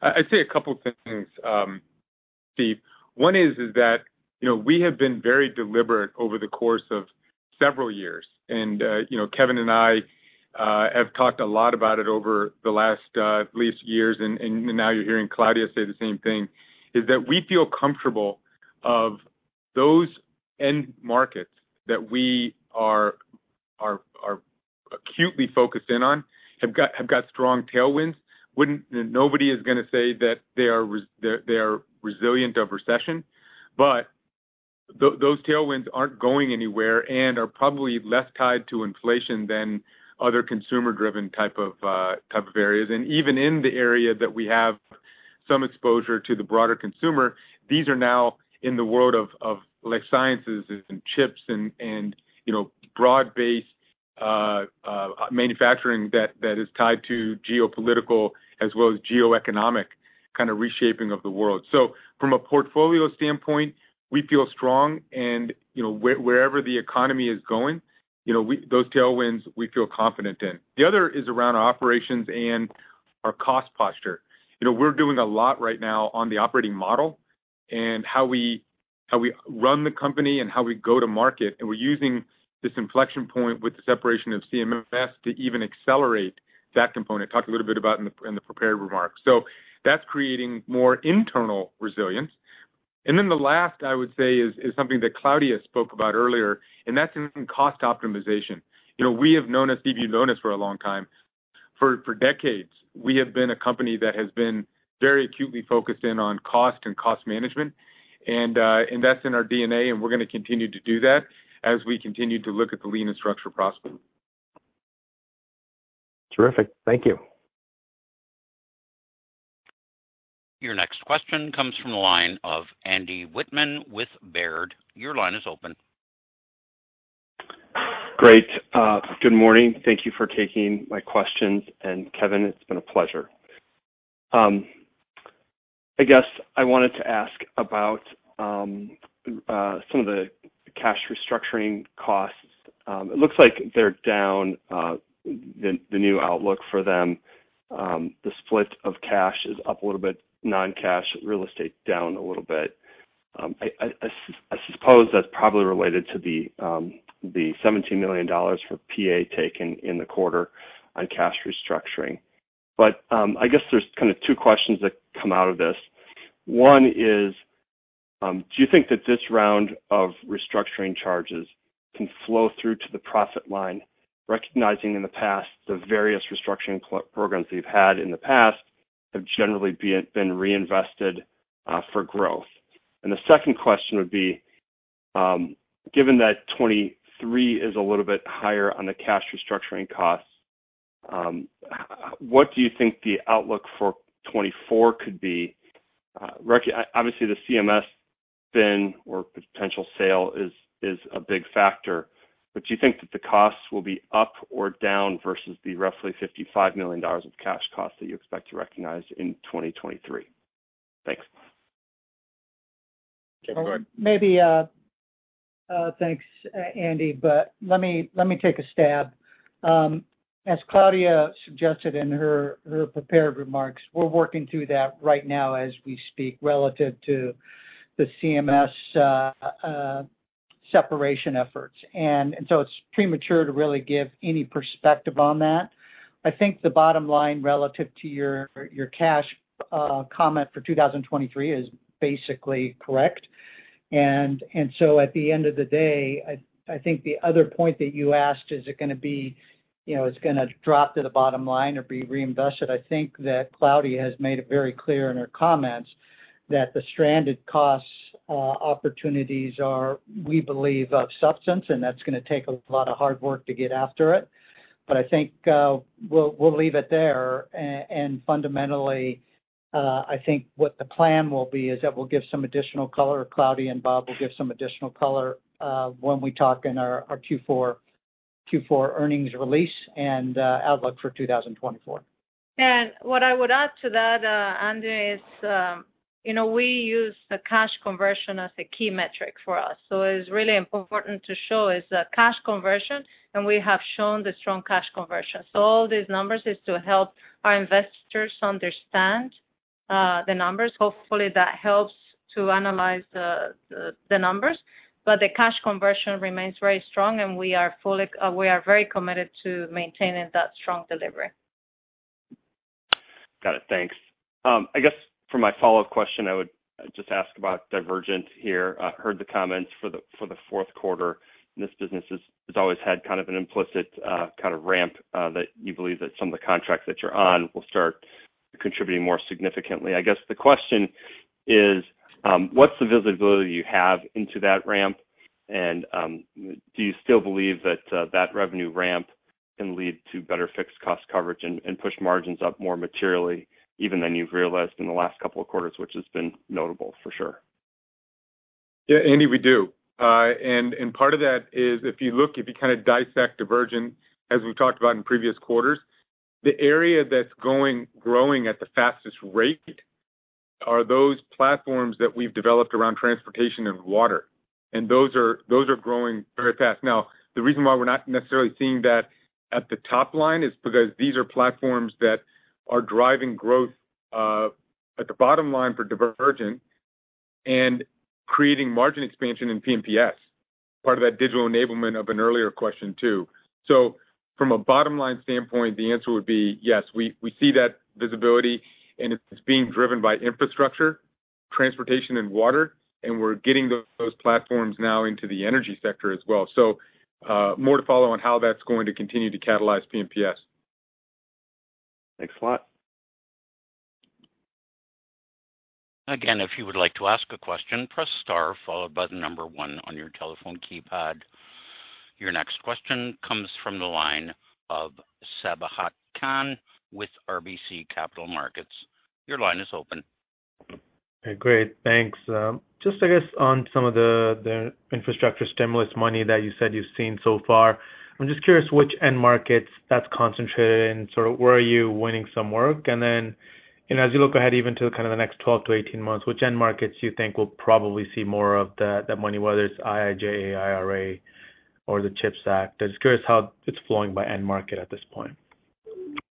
I, I'd say a couple things, Steve. One is, is that, you know, we have been very deliberate over the course of several years. You know, Kevin and I have talked a lot about it over the last at least years, and now you're hearing Claudia say the same thing, is that we feel comfortable of those end markets that we are, are, are acutely focused in on, have got, have got strong tailwinds. Nobody is gonna say that they are resilient of recession, but those tailwinds aren't going anywhere and are probably less tied to inflation than other consumer-driven type of type of areas. Even in the area that we have some exposure to the broader consumer, these are now in the world of, of life sciences and CHIPS and, and, you know, broad-based manufacturing that, that is tied to geopolitical as well as geoeconomic kind of reshaping of the world. From a portfolio standpoint, we feel strong. You know, wherever the economy is going, you know, we, those tailwinds, we feel confident in. The other is around our operations and our cost posture. You know, we're doing a lot right now on the operating model, and how we, how we run the company, and how we go to market, and we're using this inflection point with the separation of CMS to even accelerate that component. Talked a little bit about in the, in the prepared remarks. That's creating more internal resilience. The last I would say is, is something that Claudia spoke about earlier, and that's in cost optimization. You know, we have known as [CB Lonas] for a long time. For, for decades, we have been a company that has been very acutely focused in on cost and cost management, and that's in our DNA, and we're gonna continue to do that as we continue to look at the lean and structural prospects. Terrific. Thank you. Your next question comes from the line of Andy Wittmann with Baird. Your line is open. Great. Good morning. Thank you for taking my questions. Kevin, it's been a pleasure. I guess I wanted to ask about some of the cash restructuring costs. It looks like they're down, the new outlook for them. The split of cash is up a little bit, non-cash real estate down a little bit. I suppose that's probably related to the $17 million for PA taken in the quarter on cash restructuring. I guess there's kind of two questions that come out of this. One is, do you think that this round of restructuring charges can flow through to the profit line, recognizing in the past, the various restructuring programs we've had in the past have generally been reinvested for growth? The second question would be, given that 2023 is a little bit higher on the cash restructuring costs, what do you think the outlook for 2024 could be? Obviously, the CMS spin or potential sale is, is a big factor, but do you think that the costs will be up or down versus the roughly $55 million of cash costs that you expect to recognize in 2023? Thanks. Maybe, Thanks, Andy, let me, let me take a stab. As Claudia suggested in her, her prepared remarks, we're working through that right now as we speak, relative to the CMS separation efforts. It's premature to really give any perspective on that. I think the bottom line relative to your, your cash comment for 2023 is basically correct. At the end of the day, I, I think the other point that you asked, is it gonna be, you know, it's gonna drop to the bottom line or be reinvested? I think that Claudia has made it very clear in her comments that the stranded costs opportunities are, we believe, of substance, and that's gonna take a lot of hard work to get after it. I think, we'll, we'll leave it there. Fundamentally, I think what the plan will be is that we'll give some additional color, Claudia and Bob will give some additional color, when we talk in our Q4 earnings release and outlook for 2024. What I would add to that, Andy, is, you know, we use the cash conversion as a key metric for us. It's really important to show is the cash conversion, and we have shown the strong cash conversion. All these numbers is to help our investors understand the numbers. Hopefully, that helps to analyze the, the, the numbers. The cash conversion remains very strong, and we are fully, we are very committed to maintaining that strong delivery. Got it. Thanks. I guess for my follow-up question, I would just ask about Divergent here. I heard the comments for the, for the fourth quarter. This business has, has always had kind of an implicit kind of ramp that you believe that some of the contracts that you're on will start contributing more significantly. I guess the question is: What's the visibility you have into that ramp? Do you still believe that revenue ramp can lead to better fixed cost coverage and, and push margins up more materially, even than you've realized in the last couple of quarters, which has been notable for sure? Yeah, Andy, we do. Part of that is if you look, if you kinda dissect Divergent, as we've talked about in previous quarters, the area that's growing at the fastest rate-... are those platforms that we've developed around transportation and water, and those are, those are growing very fast. The reason why we're not necessarily seeing that at the top line is because these are platforms that are driving growth, at the bottom line for Divergent and creating margin expansion in P&PS. Part of that digital enablement of an earlier question, too. From a bottom-line standpoint, the answer would be yes, we, we see that visibility, and it's being driven by infrastructure, transportation, and water, and we're getting those platforms now into the energy sector as well. More to follow on how that's going to continue to catalyze P&PS. Thanks a lot. Again, if you would like to ask a question, press star followed by 1 on your telephone keypad. Your next question comes from the line of Sabahat Khan with RBC Capital Markets. Your line is open. Great, thanks. just, I guess, on some of the, the infrastructure stimulus money that you said you've seen so far, I'm just curious which end markets that's concentrated and sort of where are you winning some work? Then, you know, as you look ahead, even to kind of the next 12-18 months, which end markets do you think will probably see more of that, that money, whether it's IIJA, IRA, or the CHIPS Act? Just curious how it's flowing by end market at this point.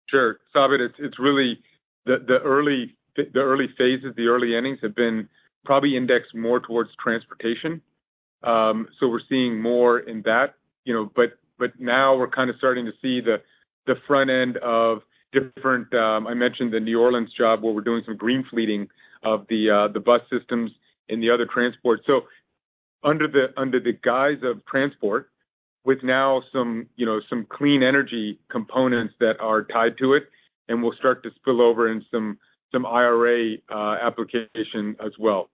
Sure. Sabahat, it's, it's really the, the early, the early phases, the early innings, have been probably indexed more towards transportation. We're seeing more in that, you know. Now we're kind of starting to see the, the front end of different... I mentioned the New Orleans job, where we're doing some green fleeting of the bus systems and the other transport. Under the, under the guise of transport, with now some, you know, some clean energy components that are tied to it, and will start to spill over in some, some IRA application as well.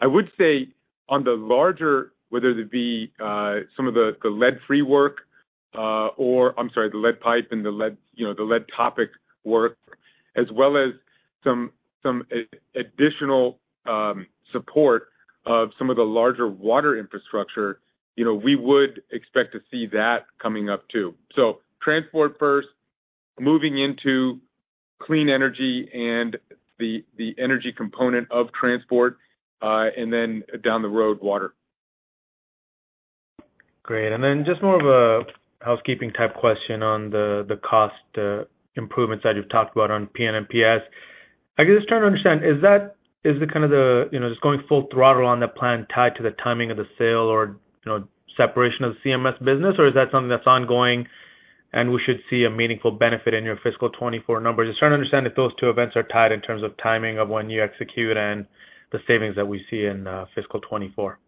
I would say on the larger, whether it be, some of the, the lead-free work, or I'm sorry, the lead pipe and the lead, you know, the lead topic work, as well as some, some additional, support of some of the larger water infrastructure, you know, we would expect to see that coming up too. Transport first, moving into clean energy and the, the energy component of transport, and then down the road, water. Great. Then just more of a housekeeping type question on the cost improvements that you've talked about on P&PS. I guess I just trying to understand, is that, is the kind of the, you know, just going full throttle on the plan tied to the timing of the sale or, you know, separation of the CMS business, or is that something that's ongoing and we should see a meaningful benefit in your fiscal 2024 numbers? Just trying to understand if those two events are tied in terms of timing of when you execute and the savings that we see in fiscal 2024.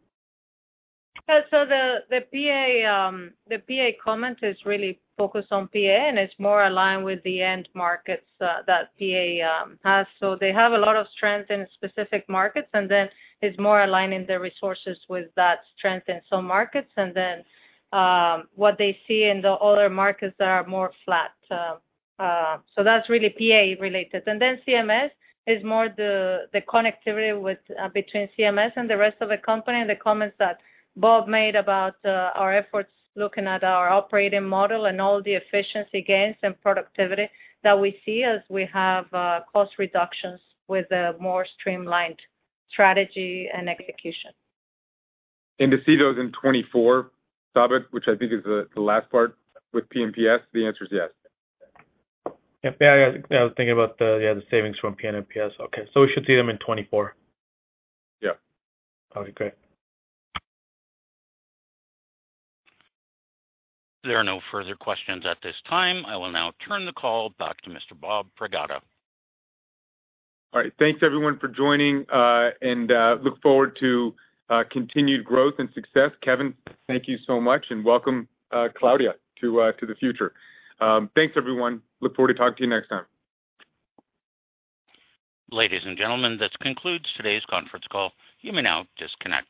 The, the PA, the PA comment is really focused on PA, and it's more aligned with the end markets that PA has. They have a lot of strength in specific markets, and then it's more aligning their resources with that strength in some markets, and then what they see in the other markets are more flat. That's really PA related. CMS is more the, the connectivity with between CMS and the rest of the company, and the comments that Bob made about our efforts looking at our operating model and all the efficiency gains and productivity that we see as we have cost reductions with a more streamlined strategy and execution. To see those in 2024, Sabahat, which I think is the, the last part with P&PS, the answer is yes. Yeah, I was thinking about the, yeah, the savings from P&PS. Okay. We should see them in 2024? Yeah. Okay, great. There are no further questions at this time. I will now turn the call back to Mr. Bob Pragada. All right. Thanks, everyone, for joining, and look forward to continued growth and success. Kevin, thank you so much, and welcome, Claudia, to the future. Thanks, everyone. Look forward to talking to you next time. Ladies and gentlemen, this concludes today's conference call. You may now disconnect.